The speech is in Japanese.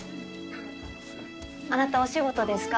あなたお仕事ですか？